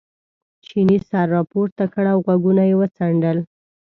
چیني سر را پورته کړ او غوږونه یې وڅنډل.